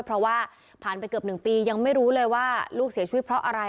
เพราะว่าผ่านไปเกือบ๑ปียังไม่รู้เลยว่าลูกเสียชีวิตเพราะอะไร